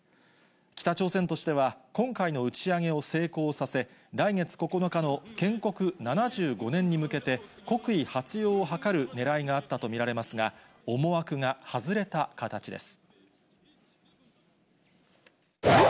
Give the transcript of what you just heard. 北朝鮮としては、今回の打ち上げを成功させ、来月９日の建国７５年に向けて、国威発揚を図るねらいがあったと見られますが、思惑が外れた形です。